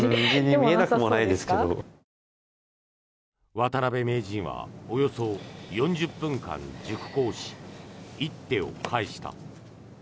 渡辺名人はおよそ４０分間熟考し一手を返した。